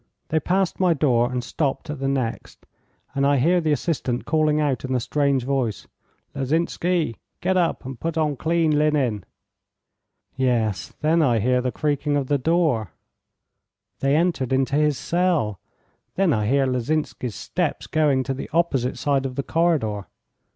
They passed my door and stopped at the next, and I hear the assistant calling out in a strange voice: 'Lozinsky, get up and put on clean linen.' Yes. Then I hear the creaking of the door; they entered into his cell. Then I hear Lozinsky's steps going to the opposite side of the corridor.